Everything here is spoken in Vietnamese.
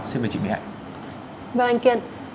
xin mời chị mỹ hạnh